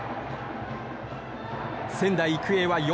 仙台育英は４